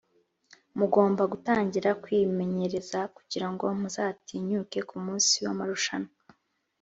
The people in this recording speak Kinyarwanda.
mugomba gutangira kwimenyereza kugirango muzatinyuke ku munsi wa marushanwa